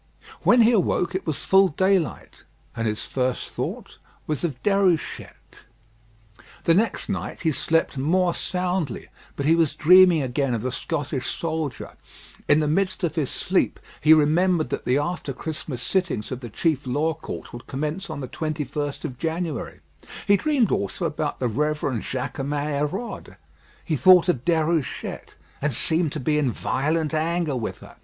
When he awoke it was full daylight, and his first thought was of Déruchette. The next night he slept more soundly, but he was dreaming again of the Scottish soldier. In the midst of his sleep he remembered that the after Christmas sittings of the Chief Law Court would commence on the 21st of January. He dreamed also about the Reverend Jaquemin Hérode. He thought of Déruchette, and seemed to be in violent anger with her.